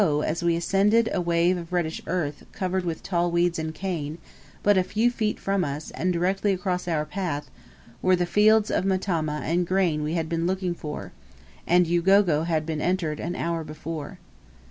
as we ascended a wave of reddish earth covered with tall weeds and cane, but a few feet from us, and directly across our path, were the fields of matama and grain we had been looking for, and Ugogo had been entered an hour before.